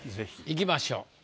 いきましょう。